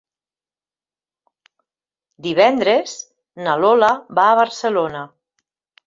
Divendres na Lola va a Barcelona.